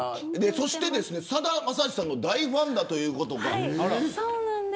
そして、さだまさしさんの大ファンだということで。